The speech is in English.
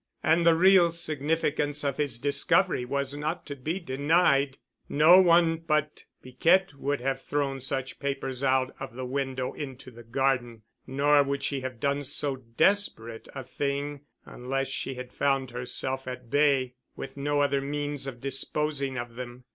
And the real significance of his discovery was not to be denied. No one but Piquette would have thrown such papers out of the window into the garden, nor would she have done so desperate a thing unless she had found herself at bay with no other means of disposing of them.